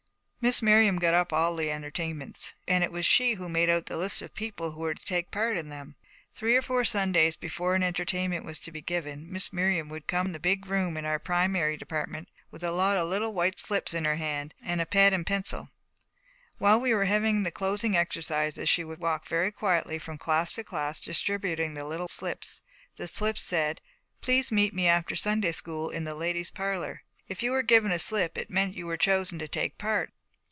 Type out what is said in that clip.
Miss Miriam got up all the entertainments, and it was she who made out the list of the people who were to take part in them. Three or four Sundays before an entertainment was to be given, Miss Miriam would come from the Big Room to our Primary Department with a lot of little white slips in her hand and a pad and pencil. While we were having the closing exercises, she would walk very quietly from class to class distributing the little white slips. The slips said, 'Please meet me after Sunday school in the Ladies' Parlor.' If you were given a slip, it meant you were chosen to take part.